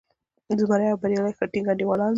زمری او بریالی ښه ټینګ انډیوالان دي.